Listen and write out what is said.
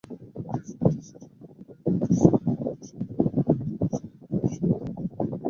Brisbane টেস্টের চতুর্থ দিন অ্যান্ডারসন ব্যাটিং করার সময় তাঁকে যথেচ্ছ খেপিয়েছেন অস্ট্রেলিয়ান ফিল্ডাররা।